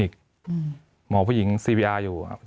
มีความรู้สึกว่ามีความรู้สึกว่า